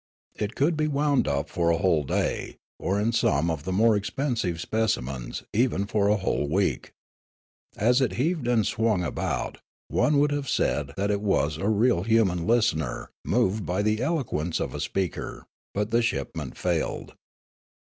It could be wound up for a whole day, or in some of the more expensive specimens even for a whole week. As it heaved and swung about, one would have said that it was a real, human listener moved by the eloquence of a speaker ; but the shipment failed.